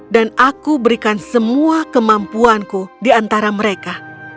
dan aku berikan semua kemampuanku di antara mereka